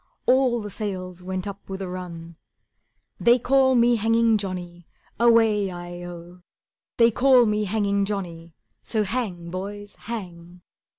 All the sails went up with a run: "They call me Hanging Johnny, Away i oh; They call me Hanging Johnny, So hang, boys, hang."